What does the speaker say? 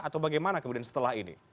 atau bagaimana kemudian setelah ini